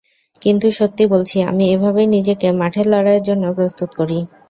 কিন্তু সত্যি বলছি, আমি এভাবেই নিজেকে মাঠের লড়াইয়ের জন্য প্রস্তুত করি।